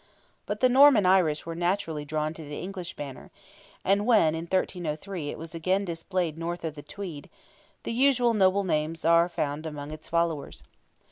But the Norman Irish were naturally drawn to the English banner, and when, in 1303, it was again displayed north of the Tweed, the usual noble names are found among its followers.